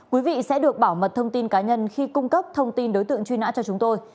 quý vị sẽ được bảo mật thông tin cá nhân khi cung cấp thông tin đối tượng truy nã cho chúng tôi